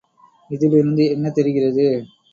இதிலிருந்து என்ன தெரிகிறது?